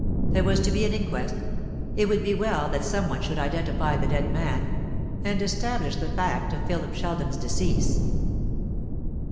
There was to be an inquest. It would be well that some one should identify the dead man, and establish the fact of Philip Sheldon's decease.